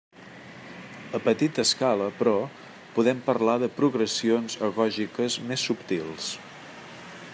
A petita escala, però, podem parlar de progressions agògiques més subtils.